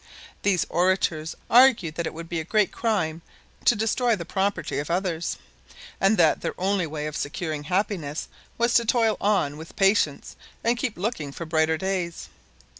These orators argued that it would be a great crime to destroy the property of others, and that their only way of securing happiness was to toil on with patience and keep looking for brighter days.